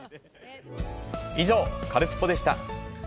以上、カルスポっ！でした。